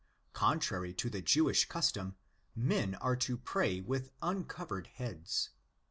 Contrary to the Jewish custom, men are to pray with uncovered heads (xi.